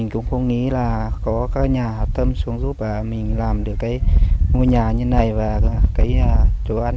huyện mộc châu đã phân công